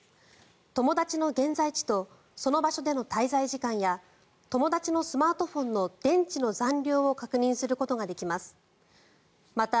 友達の現在地とその場所での滞在時間や友達のスマートフォンの電池の残量を確認することができます。